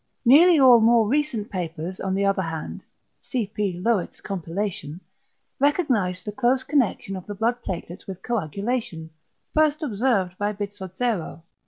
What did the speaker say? Nearly all more recent papers, on the other hand (cp. Löwit's compilation), recognise the =close connection of the blood platelets with coagulation=, first observed by Bizzozero.